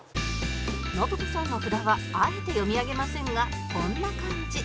信子さんの札はあえて読み上げませんがこんな感じ